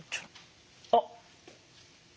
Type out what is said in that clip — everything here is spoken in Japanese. あっ！